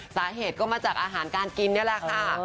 สาเหตุก็มาจากอาหารการกินนี่แหละค่ะ